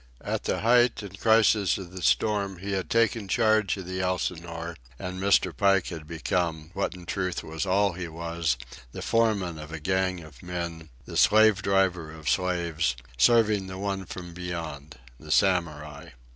At the height and crisis of storm he had taken charge of the Elsinore, and Mr. Pike had become, what in truth was all he was, the foreman of a gang of men, the slave driver of slaves, serving the one from beyond—the Samurai.